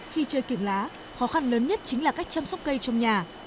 khi chơi kìm lá khó khăn lớn nhất chính là cách chăm sóc cây trong nhà